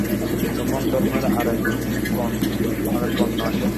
তখন ধর্মের আর এক বন্যা আসে।